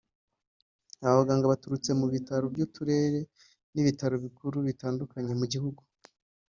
Aba baganga baturutse mu bitaro by’uturere n’ibitaro bikuru bitandukanye mu gihugu